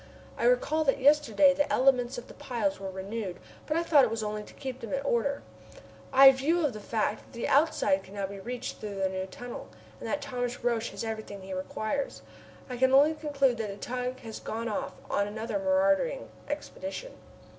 I recall that yesterday the elements of the piles were renewed, but I thought it was only to keep them in order. In view of the fact that the outside can now be reached through the new tunnel, and that Thomas Roch has everything he requires, I can only conclude that the tug has gone off on another marauding expedition.